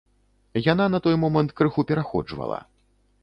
Яна на той момант крыху пераходжвала.